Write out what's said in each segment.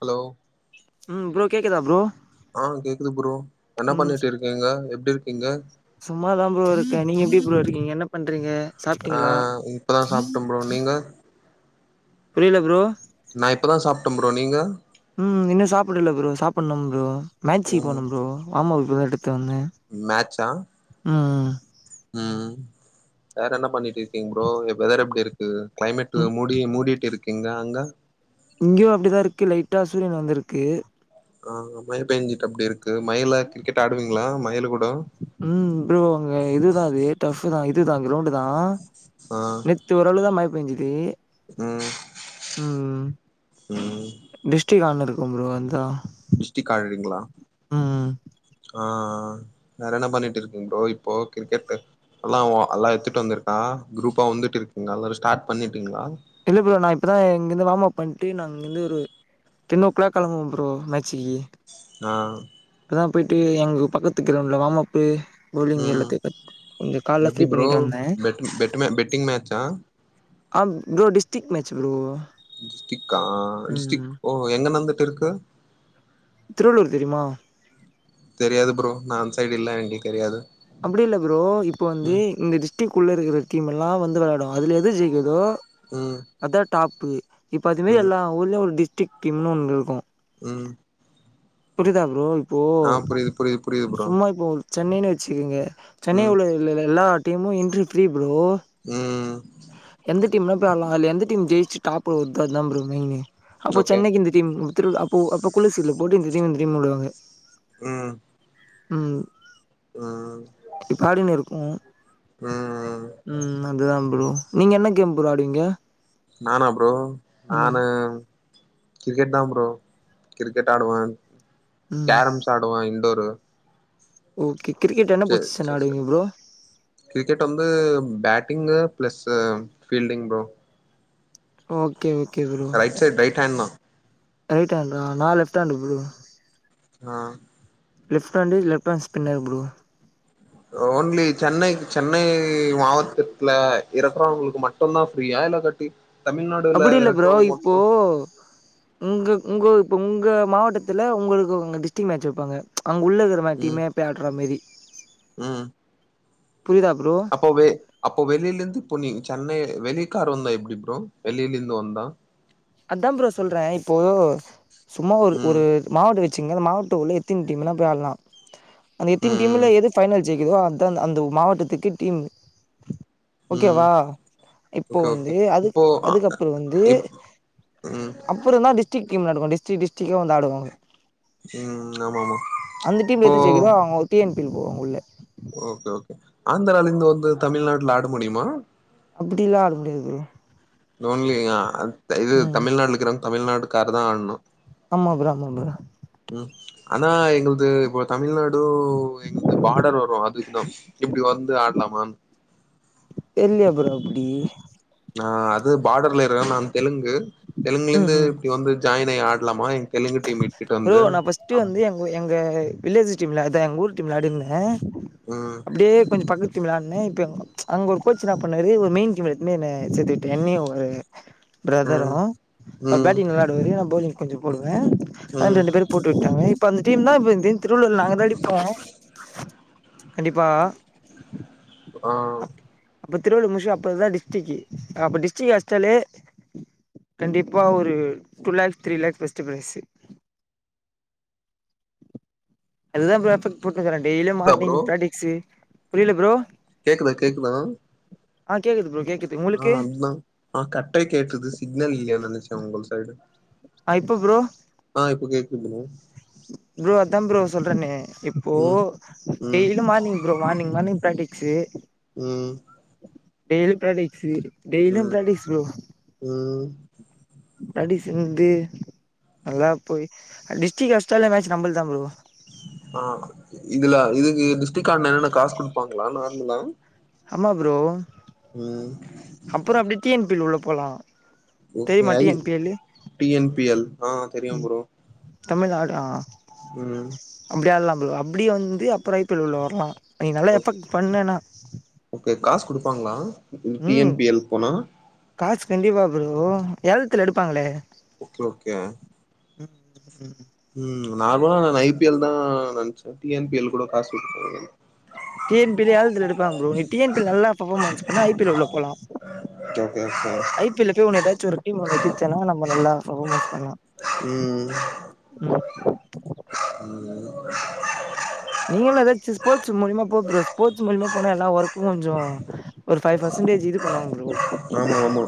hello ம் bro கேக்குதா bro ஆஹ கேக்குது ப்ரோ என்ன பண்ணிட்டு இருக்கீங்க எப்டி இருக்கீங்க சும்மா தா ஃப்ரோ இருக்கே நீங்க எப்டி ஃப்ரோ இருக்கீங்க என்ன என்ன பண்றீங்க ஆ சாப்டீங்களா இப்பதா சாப்ட்ட ப்ரோ நீங்க நா இப்பதா சாப்டே ஃப்ரோ நீங்க ம் இன்னு சாப்பிடல ஃப்ரோ சாப்புணு ஃப்ரோ மேச்சிக்கு போனு ப்ரோ மாமாக்கு எடுதுட் வந்தே மேச்சா ம் ம் வேற என்ன பண்ணி இருக்கீங்க ஃப்ரோ வெதர் எப்டி இருக்கு கிளைமேட் ம் மூடி மூடிட்டு இருக்கிங் அங்க இங்கியு அப்டிதா இருக்கு லைட்டா சூரியன் வந்திருக்கு ஆ மழ பேஞ்சிட் அப்டி இருக்கு மழில கிரிக்கெட் ஆடுவீங்களா மழில கூட ம் ஃப்ரோ அங்க இது தா அது டஃப்பு தா இது தா கிரௌண்ட் தா ஆ நெத்து ஓரளவுதா மழ பெஞ்சுது ம் ம் ம் ம் டிஸ்டிக் ‌ஆடுணு இருக்கு ஃப்ரோ அதா டிஸ்டிக் காடுறீங்களா ம் ஆஹ வேற என்ன பண்ணிட்டு இருக்கீங்க ஃப்ரோ இப்போ கிரிக்கெட்டு அல்லா அல்லா எடுத்ட் வந்திருக்கா குரூப்பா வந்துட்டு இருக்கிங் எல்லா ஸ்டார்ட் பண்ணிட்டிங்களா இல்ல ஃப்ரோ நா இப்பதா இங்கிருந் வார்ம் அப் பண்ட்டு நாங்கிந்து ஒரு டென் ஓ கிளாக் கெளம்புவோ ஃப்ரோ மேச்சிக்கு ஆ இப்பதா போய்ட்டு எங்க பக்கத்து கிரவுண்டுல வாம் அப்பு பவ்லிங் ம் எல்லாத்தையு கத் கொஞ்சோ கால்ல எப்டி ஃப்ரீ ப்ரோ பண்ணிட்டு வந்த பெட் பெட் பெட்டிங் மேட்சா ஆ ப்ரோ டிஸ்டிக் மேச் ப்ரோ டிஸ்டிக்கா டிஸ்டிக் ம் ஓ எங்க நந்துட்ருக்கு திருவள்ளூர் தெரிமா தெரியாது ப்ரோ நா அந்த சைடு இல்ல [unintelligible] தெரியாது அப்டி இல்ல ப்ரோ இப்ப வந்து ம் இந்த டிஸ்ட்ரிக்குள்ள இருக்கற டீம் எல்லா வந்து வெளாடு அதுல எது ஜெயிக்குதோ ம் அதா டாப் இப்ப அது மாரி ம் எல்லா ஊர்லயு ஒரு டிஸ்டிக் டீம்னு ஒன்னு இருக்கு ம் புரிதா ப்ரோ இப்போ ஆ புரியுது புரியுது புரியுது ப்ரோ சும்மா இப்போ சென்னைன்னு வச்சுக்கோங்க சென்னை ம் உள்ள எல்லா டீமு என்ரி ஃப்ரீ ப்ரோ ம் எந்த டீம்னா போய் ஆட்லா அத்ல எந்த ஜெயிச்சு டாப் வருதோ அதா ஃப்ரோ மெயினு ஓகே சென்னைக்கு இந்த டீம் திருவிழ அப்போ அப்போ குலுசீட்ல போட்டு தெரியாம தெரியாம விடுவாங்க ம் ம் ம் இப்ப ஆடினு இருக்கு ம் ம் அதுதா ஃப்ரோ நீங்க என்ன கேம் ஃப்ரோ ஆடுவீங்க நானா ஃப்ரோ ம் நானு கிரிக்கெட் தா ப்ரோ கிரிக்கெட் ஆடுவ ம் கேரம்ஸ் ஆடுவ இன்டோரு ஓகே கிரிக்கெட என்ன செஸ் புசிச்சன் செஸ் ஆடுவிங்க ஆடுவே ஃப்ரோ கிரிக்கெட் வந்து batting plus fielding bro okay okay bro right side right hand தா ரைட் ஹாண்ட்ரா நா லெஃப்ட் ஹாண்டு் ஃப்ரோ ஆ left hand left hand spinner bro only Chennai Chennai மாவட்டத்துல இருக்குறவங்களுக்கு மட் சொன்னா ஃப்ரீயா இல்லா காட்டி அப்டி இல்ல ஃப்ரோ இப்போ உங்க உங்கோ ப்ப உங்க மாவட்டத்துல உங்களுக்கு டிஸ்ட்ரிக் மேட்ச் வப்பாங்க அங்க உள்ள இருக்கற மே ம் டீமே பேட்ற மேரி ம் புரிதா ஃப்ரோ அப்பவ அப்ப வெளிலந்து பொ நீ சென்னை வெளி காரு வந்தா எப்டி ஃப்ரோ வெளியில இருந்து வந்தா அதா ஃப்ரோ சொல்ற இப்போ சும்மா ஒரு ம் ஒரு மாவட்டோ வச்சுங்க மாவட்ட உள்ள எத்தினி டீம் வேண போய்‌ ஆட்லா அந்த எத்தின் ம் டீம்ல எது ஃபைனல் ஜெயிக்குதோ அதா அந்த மாவட்டத்துக்கே டீம் ம் ம் ஓகேவா இப்போ ஓகே ஓகே வந்து அது இப்போ அ, அதுக்கப்பறோ வந்து இப் ம் அப்றோ தா டிஸ்டிக் டீம் வெளாடுவோ டிஸ்டிக்‌ டிஸ்டிகா ‌வந்து ஆடுவாங்க ம் ஆமா ஆமா அந்த டீம் இப்போ எதுஜெயிக்குதோ அவுங்க டி என் பில் போவாங்க உள்ள ஓகே ஓகே ஆந்தரால இருந்து வந்து தமிழ்நாட்ல ஆட முடியுமா அப்டிலா ஆட முடியாது ப்ரோ ஒன்லி அ இது ம் தமிழ்நாட்ல இருக்கிறவங்க தமிழ்நாட்டுக்காரு தா ஆட்ணு ஆமா ஃப்ரோ ஆமா ஃப்ரோ ம் ஆனா எங்கள்து இப்ப தமிழ்நாடு எங்கள்து பாடர் வரு [unintelligible] இப்டி வந்து ஆடலாமானு தெரிலயோ ஃப்ரோ அப்டி ஆ அது பார்டர்ல இருக்க நா தெலுங்கு தெலுங்குல ம் இருந்து ம் இப்ப வந்து ஜாயினாயி ஆடலாமா எங் தெலுங்கு டீம் இட்டுட்டு ப்ரோ வந்து [inaudible] நான் ஃபர்ஸ்ட்டு வந்து எங்க எங்க வில்லேஜ் டீம்ல அத எங்க ஊர் டீம்ல ஆடிருந்தே ம் அப்டியே கொஞ்ச பக்கத்து டீம்ல ஆடுன அங்க கோச்ச என்னா பண்ணாரு ஒரு மெயின் டீம்ல [unintelligible] என்ன சேத்துவிட்டு என்னயு ஒரு ப்ரதரு ம் அவ்ர் பேட்டிங் ம் நல்லா இதுவரையு நா பௌலிங் கொஞ்சோ போடுவே ஆ ம் ரெண்டு பேரு போட்டு விட்டாங்க இப்ப அந்த டீம் தா இப்ப [unintelligible] திருவள்ளூர் நாங்க தா அடிப்போ கண்டிப்பா ஆ அப்ப திருவள்ளு முச்சி அப்றோதா டிஸ்டிக்கு அப்ப டிஸ்டிக்ஹஸ்டலே கண்டிப்பா ஒரு two lakh three lakh first prize அதுதா ஃப்ரோ‌ [unintelligible] கூட்டுட்டுருக்கே டெய்லி ஆ மார்னிங் ப்ரோ ப்ராக்டிஸ்ஸு புரியில ஃப்ரோ கேக்குதா கேக்குதா ஆ கேக்குது ஃப்ரோ கேக்குது ஆ உங்களுக்கு அதுதா ஆ கட்டாய் கேக்குது சிக்னல் இல்லையானு நெனைச்சே உங்க சைடு ஆ இப்ப ஃப்ரோ ஆ இப்போ கேக்குது ப்ரோ அதா ப்ரோ சொல்றேன்னே இப்போ ம் ம் daily morning bro morning morning practice ம் டெய்ல் ப்ராக்ட்ஸ்ஸு டெய்லியு ம் ப்ராக்டீஸ் ப்ரோ ம் ப்ராடீஸ்ஸு வந்து நல்லா போய் அ டிஸ்டிக் ஹாஸ்டல்லே மேட்ச் நம்பள் தா ப்ரோ ஆ இதுல இதுக்கு டிஸ்டிக் ஆடுன என்னன்னா காசு குடுப்பாங்களா நார்மலா ஆமா ப்ரோ ம் அப்பறோ அப்டி டி என் பி உள்ள போலா ஒகே தெரியுமா டி என் பி எல்லு [unintelligible] டி என் பி எல் ஆ தெரியு ப்ரோ தமிழ்நாடு ஆ ம் அப்டி ஆடுல ப்ரோ அப்டியே வந்து அப்றோ ஐ பி எல் ல உள்ள வர்லா நீ நல்லா ஓகே எஃபெக்ட் பண்ணன்னா ஓகே காசு குடுப்பாங்களா டி ம் என் பி எல் போனா காசு கண்டிப்பா ப்ரோ எலத்துல எடுப்பாங்க ஓகே ஓகே ம் ம் ம் ம் நார்மலா நா ஐ பி எல் தா நனைச்சே டி என் பி எல் கூட காசு [inaudible] டி என் பி எல் ஏலத்து எடுப்பாங்க ப்ரோ நீ டி என் பி ல்ல நல்லா பர்ஃபார்மன்ஸ் பண்ண ஐ பி எல் ல உள்ள போலா [inaudible] ஐ பி எல் போய் ஒன்ன ஏதாச்ச ஒரு டீம் எதிச்சன்னா நம்ப நல்லா ஃபமான்ஸ் பண்ணலா ம் ம் ம் ம் நீங்களு ஏதாச்சு ஸ்போர்டஸ் மூலிமா போ ப்ரோ ஸ்போர்ட்ஸ் மூலிமா போனா எல்லா ஒர்க்கு முஞ்சிரு ஒரு ஃபைவ் பர்சன்டேஜ் இது பண்ணுவாங்க ப்ரோ ஆமா ஆமா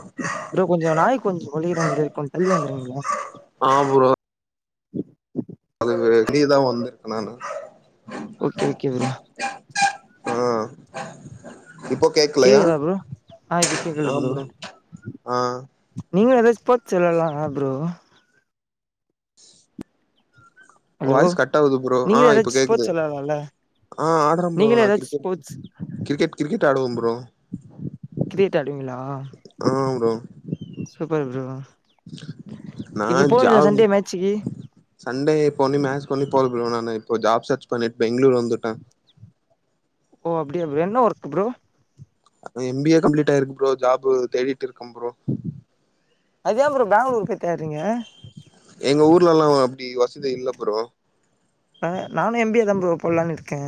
ப்ரோ கொஞ்ச நாய் கொஞ்ச கொற மாரியே இருக் கொஞ் தள்ளியே வந்துர்ரீங்களா ஆ ப்ரோ அது வெளியிதா வந்திருக்க நானு ஓக்கேகே ப்ரோ ஆ இப்போ கேக்கலையா கேக்குதா ப்ரோ ஆ இப்ப கேக்குது ப்ரோ ஆ நீங்களு அதே ஸ்போர்ட்ஸ் வெளாட்லால அ ப்ரோ ஹலோ வாய்ஸ் கட்டா ஆகுது ப்ரோ ஆ நீங்களு இப்ப ஏதாச்சு கேக்குது ஸ்போர்ட்ஸ் விளாட்லால்ல ஆ ஆடறே ப்ரோ நீங்களு நா ஏதாச்சு கிரிக்கெட் ஸ்போர்ட்ஸ் கிரிக்கெட் கிரிக்கெட் ஆடுவ ப்ரோ கிரிக்கெட் ஆடுவிங்ளா ஆ ஆ ப்ரோ சூப்பர் ப்ரோ நா இப்ப போவீங்லா ஜாப் சண்டே மேட்சிக்கி சண்டே போன்யு மேட்ஸ் பண்ணி போட்ற ப்ரோ நானு இப்போ ஜாப் சர்ச் பண்ணிட் பெங்ளூர் வந்துட்டே ஓ அப்டியா ப்ரோ என்ன work bro M B A complete ஆயிருக்கு ப்ரோ ஜாப்பு தேடிட் இருக்கம் ப்ரோ அத்யே ப்ரோ பேங்களூரு போய் தேட்றீங்க எங்க ஊர்லலா ஒ அப்டி வசதி இல்ல ப்ரோ ஆ நானு எம் பி ஏ தா ப்ரோ போட்லான் இருக்கே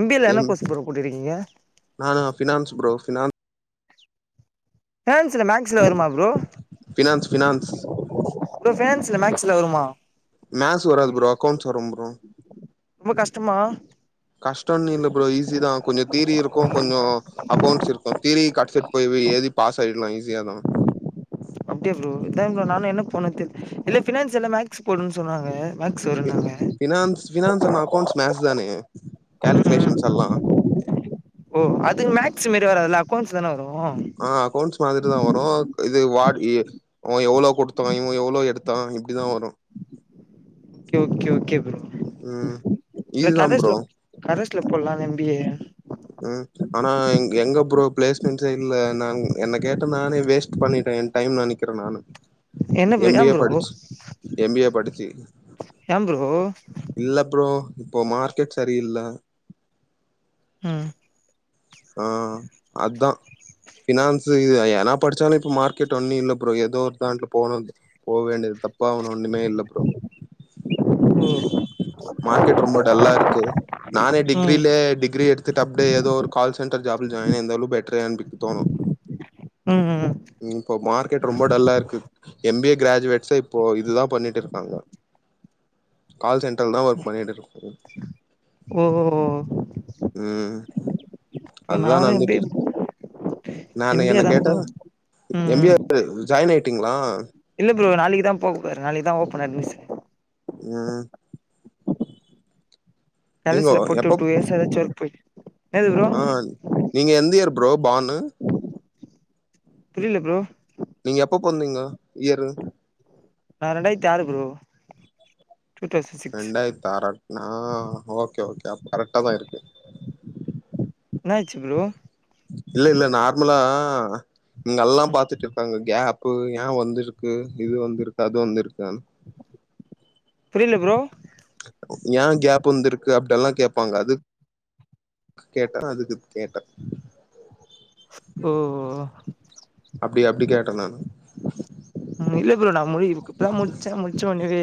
எம் பி ஏ ல என்ன கோர்ஸ் ப்ரோ போட்டுருக்கீங்க நானா ஃபினான்ஸ் ப்ரோ ஃபினான் ஃபினான்சில மேக்ஸ் வருமா ப்ரோ ஃபினான்ஸ் ஃபினான்ஸ் ஃபினான்ஸ்ல மேக்ஸ்ல வருமா மேக்ஸ் வராது ப்ரோ அக்கௌண்ட்ஸ் வரு புரோ ரொம்ப கஷ்டமா கஷ்டோன்னு இல்ல ப்ரோ ஈஸிதா கொஞ்ச தீரி இருக்கு கொஞ்சோ அக்கௌண்ட்ஸ் இருக்கு தீரி [unintelligible] போய் எழுதி பாஸ் ஆயிட்லா ஈஸியா தா அப்டியா ப்ரோ இல்ல ப்ரோ நானு என்ன பண்ணு தெர் இதிலே பினான்ஸ் எல்லா மேக்ஸ் போட்னுன் சொன்னாங்க மேக்ஸ் வருன்னாங்க finance finance and accounts maths தானே ம் கேல்குலேஷன்ஸ் ம் எல்லா ஓ அது மேக்ஸ் மேரி வராதுல அக்கௌண்ட்ஸ் தான வரு அ அக்கௌண்ட்ஸ் மாத்ரி தா வரு இது வார்ட் ஏ அவ எவ்ளோ கொடுத்தா இவ எவ்ளோ எடுத்தா இப்டிதா வரு ஓகே ஓகே ஓகே புரோ ம் இது இதுதா கரஸ்ல ப்ரோ கரஸ்ல போட்லால்ல எம் பி ஏ ம் ஆனா எங்க ப்ரோ ப்ளேஸ்மென்ட்சே இல்ல நா என்ன கேட்ட நானே வேஸ்ட் பண்ணிட்டே டைம் நெனக்கறே நானு என்ன ப்ரோ எம் பி ஏன் ஏ ப்ரோ படிச் எம் பி ஏ படிச்சு ஏ ப்ரோ இல்ல ப்ரோ இப்ப மார்க்கெட் செரியில்ல ம் ஆ அதா ஃபினான்ஸ்சு இது எ ஏனா படிச்சாலு இப்போ மார்கெட் ஒன்னு இல்ல ப்ரோ எதோ ஒரு [unintelligible] போ வேண்டியது தப்பா ஒன்னு ஒன்னுமே இல்ல ப்ரோ ஓ மார்க்கெட் ரொம்ப டல்லா இருக்கு நானே ம் டிகிரிலே டிகிரி எடுத் த்துட்டு அப்டே எதோ ஒரு கால் சென்டர் ஜாபுல் ஜாயின் இர்ந்தாலு பெட்ருன் நம்பிள்க்கு தோணு ம் ம் ம் ம் இப்போ மார்க்கெட் ரொம்ப டல்லா இருக்கு எம் பி ஏ கிராஜுவேட்ஸே இப்போ இதுதா பண்ணிட்டுருக்காங்க கால் சென்டர்ல் தா ஒர்க் பண்ணிட்டுருக்காங் ம் ம் ம் இப்ப நா அதுதா வந்து எம் பி நடந்துட்டு ஏ [inaudible] இருக்கு நானு எம் பி என்ன ஏ தான் கேட்டா ப்ரோ ம் எம் பி ம் ஏ [inaudible] ஜாய்ன் ஆய்ட்டீங்ளா இல்ல ப்ரோ நாளைக்கு தா போக போற நாளைக்கு தா ஓப்பன் அட்மிஷன் ம் நீங்க கரஸ்ல போட்டு உட்டு எப்ப டூ இயர்ஸ் எதாச்சு ஒர்க் போய் என்னது ப்ரோ ஆ நீங்க எந்த இயர் ப்ரோ பானு புரில ப்ரோ நீங்க எப்ப பொற்ந்தீங்க இயரு நா ரெண்டாய்ர்த்தி ஆறு ப்ரோ டூ தௌசண்ட் சிக்ஸ் ரெண்டாய்ர்த்து ஆறா நா ஓகே ஓகே அப்ப கரெக்ட்டா தா இருக்கு என்னாச்சி ப்ரோ இல்ல இல்ல நார்மலா இங்க அல்லா பாத்துட்டுருக்காங்க கேப் பு ஏ வந்திருக்கு இது வந்திருக்கு அது வந்திருக்குன் புரில ப்ரோ ஏ கேப் வந்திருக்கு அப்டெல்லா கேப்பாங்க அதுக்கு கேட்டே அதுக்கு கேட்டே ஓ ஓ அப்டியா அப்டி கேட்டே நானு ம் இல்ல ப்ரோ நா மூணே புக்கு இப்பதா முட்ச்சே முட்ச்ச உன்னவே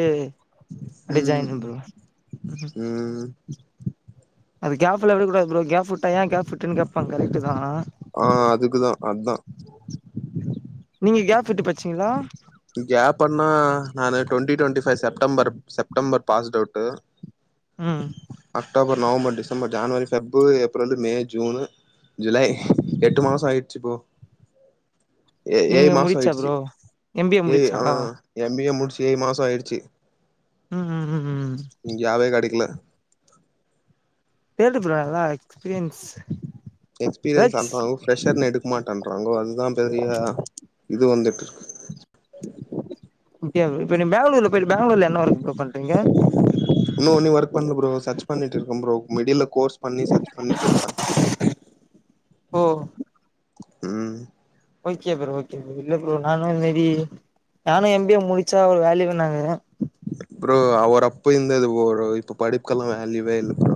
அப்டியே ஜாய்ன் ம் பண்றே ம் அது கேஃப்லா விட கூடாது ப்ரோ கேஃப் உட்ட ஏ கேஃப் உட்டன் கேப்பா கரக்ட்டு தா ஆ அதுக்குதா அதா நீங்க கேஃப் உட்டு பட்ச்சீங்ளா கேப்பன்னா நானு twenty twenty five September September passed out ம் October, November, December, January, February, April, May, June, July எட்டு மாசோ ஆயிட்ச்சு ப்ரோ ஏ ஏழு நீங்க மாசோ முடிச்சா ஆய்டுச்சி ப்ரோ எம் பி ஏ முடிச்சா ஆ எம் பி ஏ முடிச்சி ஏழு மாசோ ஆய்டுச்சி ம் ம் ம் இன் ஜாபே கெடைக்கில தேடு ப்ரோ நல்லா எக்ஸ்பீரியன்ஸ்ஸு எக்ஸ்பீரியன்ஸ் வேண்றாங்க ஃப்ரெஷ்ஷர்னா எடுக்க மாட்டன்றாங்கோ அதுதா பெரிய இது வந்துட்டுருக்கு [unintelligible] ப்ரோ இப்ப நீங் பேங்களூர்ல போய்ட்டு பேங்ளூர்ல என்ன ஒர்க்கு ப்ரோ பண்றீங்க இன்னு ஒன்னு ஒர்க் பண்ல ப்ரோ சர்ச் பண்ணிட்டுருக்கே ப்ரோ மிடில்ல கோர்ஸ் பண்ணி சர்ச் பண்ணிட்டுருக்கே ஓ ம் ஓகே ப்ரோ ஓகே ப்ரோ இல்ல ப்ரோ நானு இந் மேரி நானு எம் பி ஏ முடிச்சா ஒரு வேல்யூன்னாங்க ப்ரோ அவர் அப்ப இர்ந்தது பொரோ இப்ப படிப்புக்கல்லா வேல்யூவே இல்ல ப்ரோ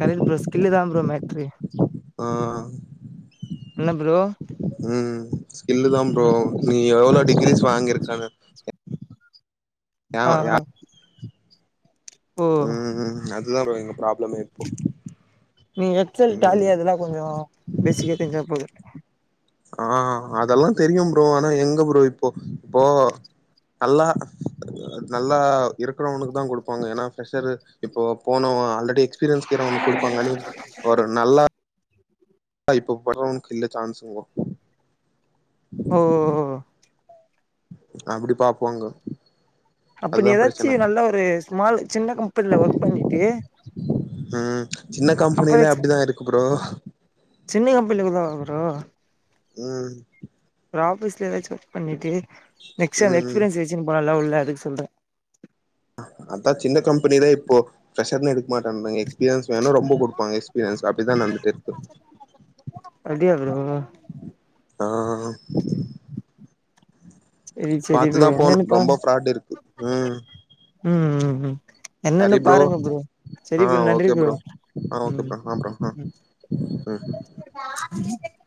கரக்ட் ப்ரோ ஸ்கில்லு தா ப்ரோ மேட்ரு ஆ என்ன ப்ரோ ம் ஸ்கில்லு தா ப்ரோ ம் நீ எவளோ ம் டிகிரிஸ் வாங்கிருக்கனு யா ஆ யா ஓ ம் அதுதா ப்ரோ எங்க ப்ராப்ளமே இப்போ நீ எக்சல் ம் டாலி அதல்லா கொஞ்ச பேசிக்கா தெரிஞ்சா போது ஆ அதல்லாம் தெரியும் ஃப்ரோ ஆனா எங்க ஃப்ரோ இப்போ இப்போ நல்லா நல்லா இருக்கறவனுக்கு தா குடுப்பாங்க ஏன்னா பிரெஷரு இப்ப போனவ ஆல்ரெடி எக்ஸ்பீரியன்ஸ் காரவன் கொடுப்பாங்கன்னு ஒரு நல்லா அ இப்ப போரவனுக்கு இல்ல சான்ஸ்ங்கோ ஓ அப்டி பாப்பாங்க அப்ப நீ அதுதா பிரச்சன ஏதாச்சும் நல்லா ஒரு ஸ்மால் சின்ன கம் அப்பல ஒர்க் பண்ணிட்டு அப்ப எக்சு ஃப்ரோ சின்ன கம்பனில தா ஃப்ரோ ம் ஒரு ஆஃபீஸ்லயாச்சு ஒர்க் பண்ணிட்டு நெக்ஸ்ட் அந்த ம் எக்ஸ்பீரியன்ஸ் வச்சுன்னு போலாலா உள்ள அதுக்கு சொல்ற அதா சின்ன கம்பனிதா இப்போ பிரரெஷருனு எடுக்கமாட்டானுங்க எஸ்பீரியன்ஸ் வேணும் ரொம்ப குடுப்பங்க எக்ஸ்பீரியன்ஸ் அப்டிதான் வந்துட்டு இருக்கு அப்டியா ஃப்ரோ ஆ செரி செரி ஃப்ரோ பாத்துதா போணு ரொம்ப என்னன்னுப்பாரு ஃப்ராட் இருக்கு ம் ம் ம் ம் என்னன்னு பாருங்க ப்ரோ செரி ஆ ப்ரோ நன்றி ஓகே ப்ரோ ஃப்ரோ ஆ ஓகே ம் ஃப்ரோ ஆ ம் [unintelligible]